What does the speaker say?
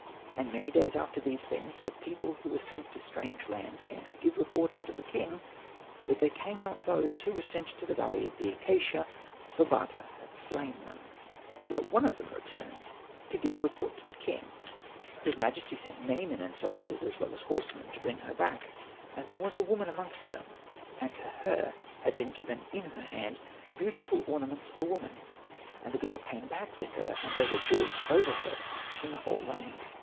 And many days after these things the people who were sent to strange lands came to give report unto the king : but there came not those who went to the valley of the acacia, for Bata had slain them, but let one of them return to give a report to the king. His majesty sent many men and soldiers, as well as horsemen, to bring her back. And there was a woman amongst them, and to her had been given in her hand beautiful ornaments of a woman. And the girl came back with her, and they rejoiced over her in the whole land.